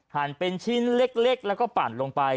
หั่นเป็นชิ้นเล็กแล้วก็ปั่นลงไป